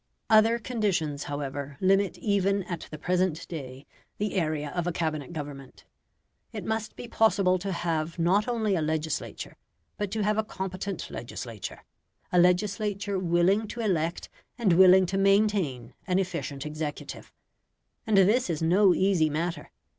Other conditions, however, limit even at the present day the area of a Cabinet government. It must be possible to have not only a legislature, but to have a competent legislature a legislature willing to elect and willing to maintain an efficient executive. And this is no easy matter.